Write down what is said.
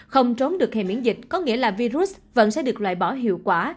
không trốn được hệ miễn dịch có nghĩa là virus vẫn sẽ được loại bỏ hiệu quả